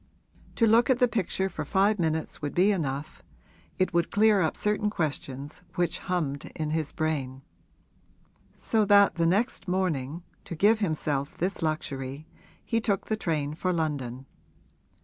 To look at the picture for five minutes would be enough it would clear up certain questions which hummed in his brain; so that the next morning, to give himself this luxury, he took the train for London.